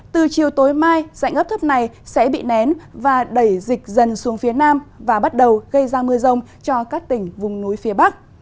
từ chiều tối mai dạnh ấp thấp này sẽ bị nén và đẩy dịch dần xuống phía nam và bắt đầu gây ra mưa rông cho các tỉnh vùng núi phía bắc